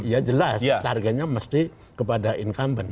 ya jelas targetnya mesti kepada incumbent